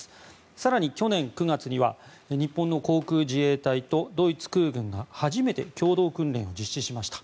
更に、去年９月には日本の航空自衛隊とドイツ空軍が初めて共同訓練を実施しました。